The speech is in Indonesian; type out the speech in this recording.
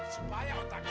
kita jadi sadrak